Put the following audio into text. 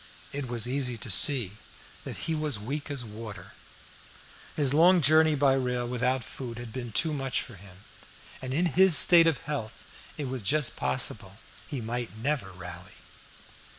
It was easy to see that he was weak as water. His long journey by rail without food had been too much for him, and in his state of health it was just possible he might never rally.